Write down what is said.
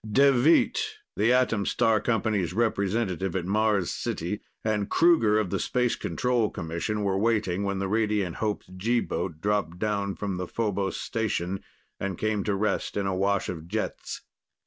Deveet, the Atom Star Company's representative at Mars City, and Kruger of the Space Control Commission were waiting when the Radiant Hope's G boat dropped down from the Phobos station and came to rest in a wash of jets.